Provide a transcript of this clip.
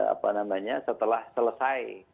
apa namanya setelah selesai